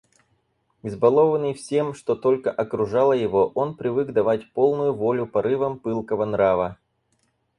Избалованный всем, что только окружало его, он привык давать полную волю порывам пылкого нрава.